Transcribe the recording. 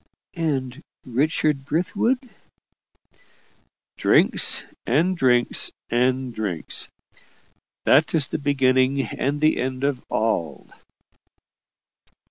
"And Richard Brithwood?" "Drinks and drinks and drinks. That is the beginning and the end of all."